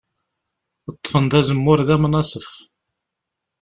Ṭṭfen-d azemmur d amnaṣef.